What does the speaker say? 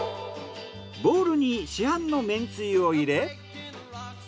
ボウルに市販のめんつゆを入れ。